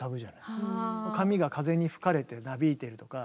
髪が風に吹かれてなびいてるとか。